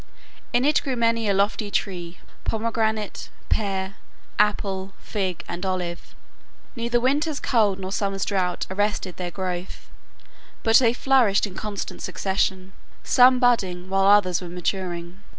In it grew many a lofty tree, pomegranate, pear, apple, fig, and olive. Neither winter's cold nor summer's drought arrested their growth, but they flourished in constant succession, some budding while others were maturing.